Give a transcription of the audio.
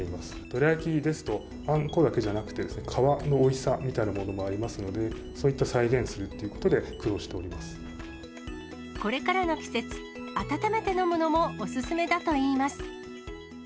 どら焼きですと、あんこだけじゃなくて、皮のおいしさみたいなものもありますので、そういった再現するとこれからの季節、温めて飲むのもお勧めだといいます。